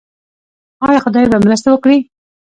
آیا خدای به مرسته وکړي؟